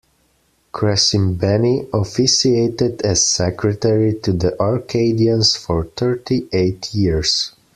Crescimbeni officiated as secretary to the Arcadians for thirty-eight years.